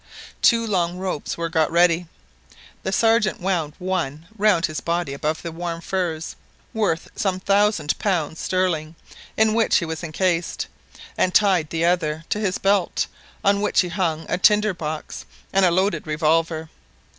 Two long ropes were got ready. The Sergeant wound one round his body above the warm furs, worth some thousand pounds sterling, in which he was encased, and tied the other to his belt, on which he hung a tinder box and a loaded revolver.